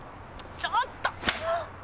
ちょっと！